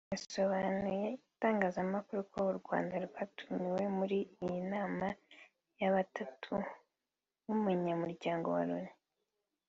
yasobanuriye itangazamakuru ko u Rwanda rwatumiwe muri iyi nama ya batatu nk’umunyamuryango wa Loni